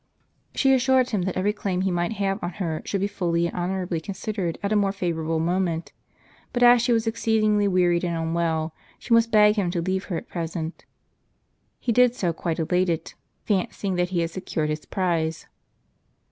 She assured him that every claim he might have on her should be fully and honorably considered at a more favorable moment ; but as she was exceedingly wearied and unwell, she must beg him to leave her at present. He did so quite elated, fancying that he had secured his prize.